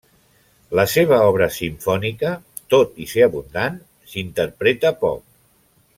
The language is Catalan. La seva obra simfònica, tot i ser abundant, s'interpreta poc.